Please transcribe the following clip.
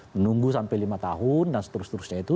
menunggu sampai lima tahun dan seterusnya itu